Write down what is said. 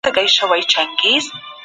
تاسي تل د خپلي روغتیا په اړه دعا کوئ.